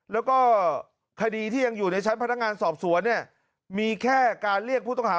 แล้วก็คดีที่ยังอยู่ในชั้นพนักงานสอบสวนเนี่ยมีแค่การเรียกผู้ต้องหา